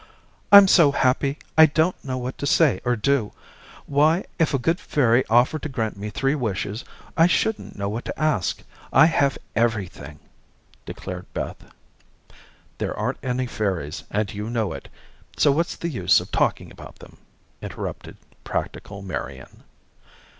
"I'm so happy, I don't know what to say or do. Why, if a good fairy offered to grant me three wishes, I shouldn't know what to ask. I have everything," declared Beth. "There aren't any fairies, and you know it. So what's the use of talking about them," interrupted practical Marian.